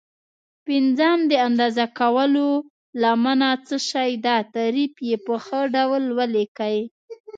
پنځم: د اندازه کولو لمنه څه شي ده؟ تعریف یې په ښه ډول ولیکئ.